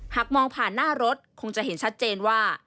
หากมองผ่านหน้ารถคงจะเห็นชัดเจนว่า